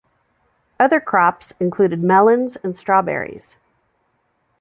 Other crops included melons and strawberries.